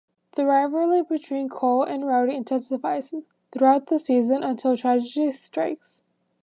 The rivalry between Cole and Rowdy intensifies throughout the season until tragedy strikes.